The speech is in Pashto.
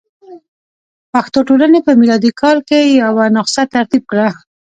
پښتو ټولنې په میلادي کال کې یوه نسخه ترتیب کړه.